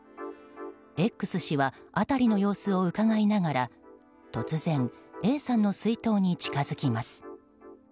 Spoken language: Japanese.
Ｘ氏は、辺りの様子をうかがいながら突然、Ａさんの水筒に近づきます。